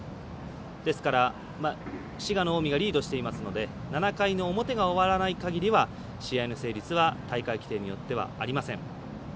ですから、滋賀の近江がリードしていますので７回の表が終わらないかぎりは試合の成立は大会規定によってはありません。